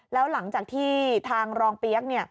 แล้วหลังจากที่ทางรองเปี๊ยก